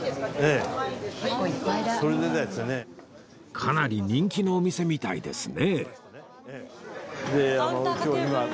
かなり人気のお店みたいですね